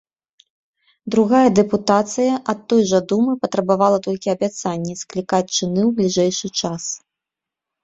Другая дэпутацыя ад той жа думы патрабавала толькі абяцанні склікаць чыны ў бліжэйшы час.